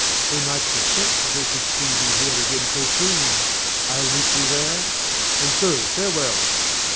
They might suspect if they should see thee here again so soon. I'll meet thee there, and so farewell.